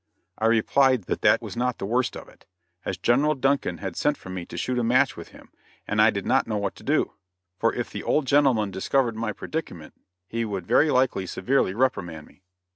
I replied that that was not the worst of it, as General Duncan had sent for me to shoot a match with him, and I did not know what to do; for if the old gentleman discovered my predicament, he would very likely severely reprimand me.